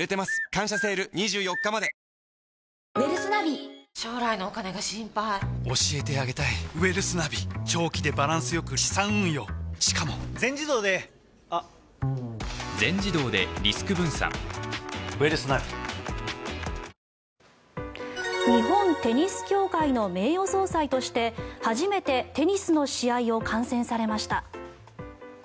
「感謝セール」２４日まで日本テニス協会の名誉総裁として初めて、テニスの試合を観戦されました。